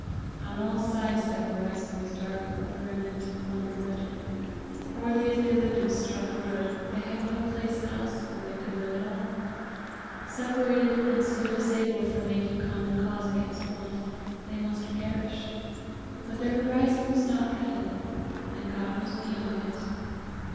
On all sides the horizon was dark about the remnant of Clanruadh. Poorly as they lived in Strathruadh, they knew no place else where they could live at all. Separated, and so disabled from making common cause against want, they must perish! But their horizon was not heaven, and God was beyond it.